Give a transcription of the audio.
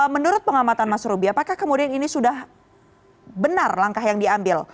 menurut pengamatan mas ruby apakah kemudian ini sudah benar langkah yang diambil